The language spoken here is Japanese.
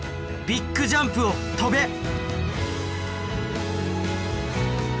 ビッグジャンプを飛べ！